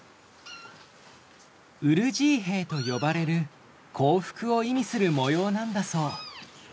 ウルジーへーと呼ばれる幸福を意味する模様なんだそう。